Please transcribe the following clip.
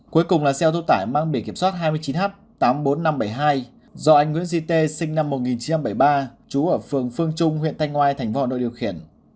cuối cùng là xe ô tô tải mang bể kiểm soát hai mươi chín h tám mươi bốn nghìn năm trăm bảy mươi hai do anh nguyễn văn hát sinh năm một nghìn chín trăm bảy mươi ba chú ở phường phương trung huyện thanh ngoai thành phố hà nội điều khiển